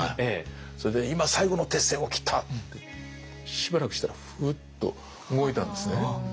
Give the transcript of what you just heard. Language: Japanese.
それで「今最後の鉄線を切った」って。しばらくしたらふっと動いたんですね。